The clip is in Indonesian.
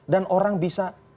dan orang bisa